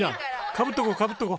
かぶっとこかぶっとこ。